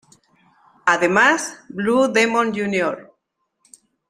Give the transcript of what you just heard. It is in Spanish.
Además, Blue Demon Jr.